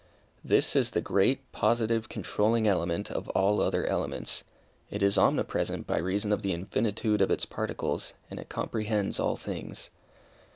This is the great, positive, controlling element of all other elements. It is omnipresent by reason of the infinitude of its particles, and it comprehends all things.